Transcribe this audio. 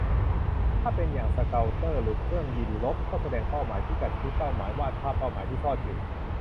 ถ้าเป็นอย่างสเกาเตอร์หรือเครื่องบินรบ ก็แสดงเป้าหมาย พิกัด ชนิดเป้าหมาย วาดภาพเป้าหมายที่ซ่อนอยู่